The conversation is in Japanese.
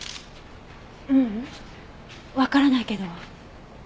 ううんわからないけど。